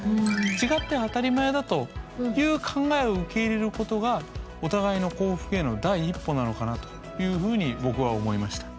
違って当たり前だという考えを受け入れることがお互いの幸福への第一歩なのかなというふうに僕は思いました。